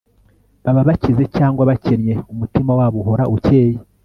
baba bakize cyangwa bakennye, umutima wabo uhora ukeye